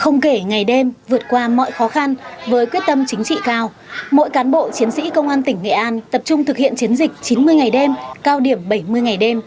không kể ngày đêm vượt qua mọi khó khăn với quyết tâm chính trị cao mỗi cán bộ chiến sĩ công an tỉnh nghệ an tập trung thực hiện chiến dịch chín mươi ngày đêm cao điểm bảy mươi ngày đêm